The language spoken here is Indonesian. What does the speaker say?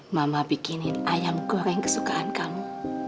mama bikinin ayam goreng kesukaan kamu